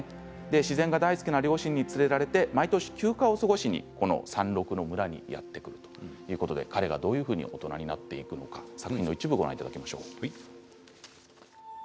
自然が大好きな両親に連れられて毎年、休暇を過ごしにこの山麓のこの村にやって来るということで彼がどういうふうに大人になっていくのか一部をご覧ください。